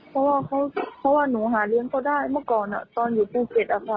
เพราะว่าหนูหาเลี้ยงเขาได้เมื่อก่อนตอนอยู่ภูเก็ตอะค่ะ